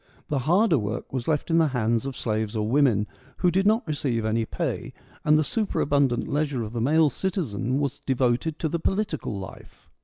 The harder work was left in the hands of slaves or women, who did not receive any pay, and the super abundant leisure of the male citizen was devoted to the political life.